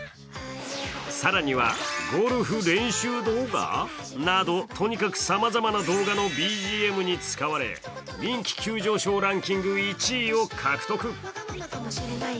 更には、ゴルフ練習動画など、とにかくさまざまな動画のＢＧＭに使われ、人気急上昇ランキング１位を獲得。